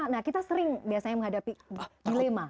nah kita sering biasanya menghadapi dilema